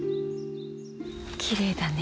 きれいだね。